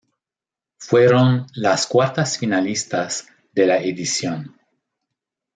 Fueron las cuartas finalistas de la edición.